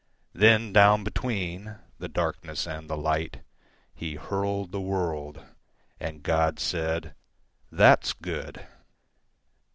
Then down betweenThe darkness and the lightHe hurled the world; And God said, "That's good!"